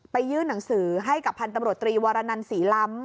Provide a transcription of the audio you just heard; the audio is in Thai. ยื่นหนังสือให้กับพันธุ์ตำรวจตรีวรนันศรีล้ำ